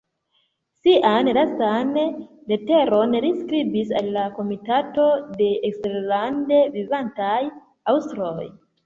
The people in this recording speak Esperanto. Sian lastan leteron li skribis al la Komitato de Eksterlande Vivantaj Aŭstroj.